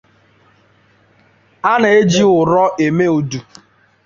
A na-eji ụrọ eme udu.